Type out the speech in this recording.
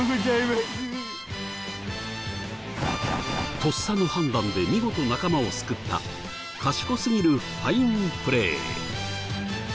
とっさの判断で見事仲間を救った賢すぎるファインプレー。